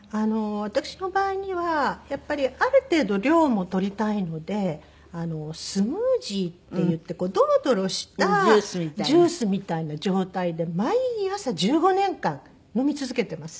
私の場合にはやっぱりある程度量も取りたいのでスムージーっていってこうドロドロしたジュースみたいな状態で毎朝１５年間飲み続けてます。